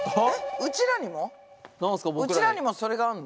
うちらにもそれがあんの？